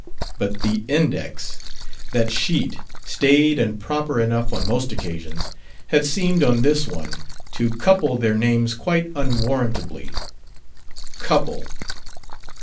But "The Index"! That sheet, staid and proper enough on most occasions, had seemed, on this one, to couple their names quite unwarrantably. "Couple!"